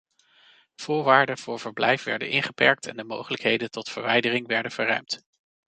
Voorwaarden voor verblijf werden ingeperkt en de mogelijkheden tot verwijdering werden verruimd.